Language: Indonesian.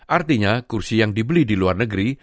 artinya kursi yang dibeli di luar negeri